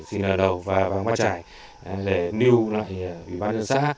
si lở lầu và vàng ma trải để niêm lại ủy ban dân xã